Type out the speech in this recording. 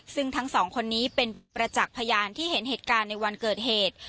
ซึ่งทั้งสองคนนี้เป็นประจักษ์พยานที่เห็นเหตุการณ์ในวันเกิดเหตุ